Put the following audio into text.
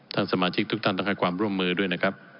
ท่านสมาชิกทุกท่านต้องให้ความร่วมมือด้วยนะครับ